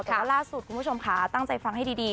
แต่ว่าล่าสุดคุณผู้ชมค่ะตั้งใจฟังให้ดี